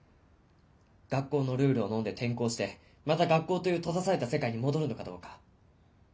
学校のルールをのんで転校してまた学校という閉ざされた世界に戻るのかどうか。